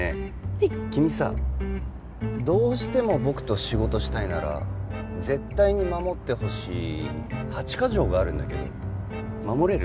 はい君さどうしても僕と仕事したいなら絶対に守ってほしい８カ条があるんだけど守れる？